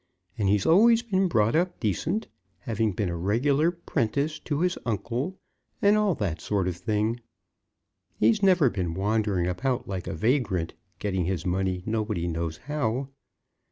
And he's always been brought up decent, having been a regular 'prentice to his uncle, and all that sort of thing. He's never been wandering about like a vagrant, getting his money nobody knows how.